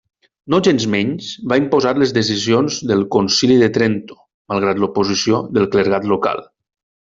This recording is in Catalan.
Nogensmenys va imposar les decisions del concili de Trento, malgrat l'oposició del clergat local.